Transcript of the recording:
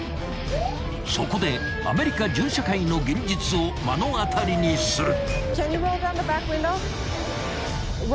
［そこでアメリカ銃社会の現実を目の当たりにする］